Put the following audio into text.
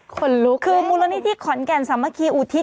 คนลุกคือมูลนิธิขอนแก่นสามัคคีอุทิศ